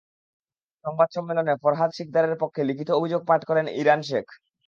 সংবাদ সম্মেলনে ফরহাদ শিকদারের পক্ষে লিখিত অভিযোগ পাঠ করেন ইরান শেখ।